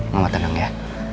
mama tenang ya